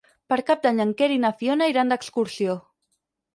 Per Cap d'Any en Quer i na Fiona iran d'excursió.